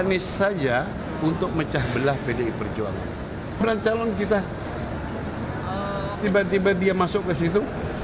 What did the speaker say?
tiba tiba dia masuk ke situ